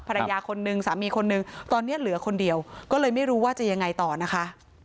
ภรรยาคนนึงสามีคนนึงตอนนี้เหลือคนเดียวก็เลยไม่รู้ว่าจะยังไงต่อนะคะ